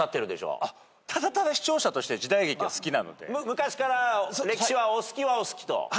昔から歴史はお好きはお好きと。